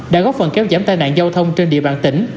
đã góp phần kéo giảm tai nạn giao thông trên địa bàn tỉnh